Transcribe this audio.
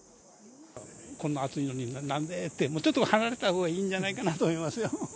こんな暑いのに、なんでって、ちょっと離れたほうがいいんじゃないかなと思いますよ。